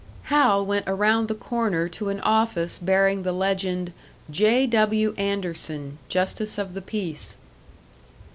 Hal went around the corner to an office bearing the legend, "J.W. Anderson, Justice of the Peace."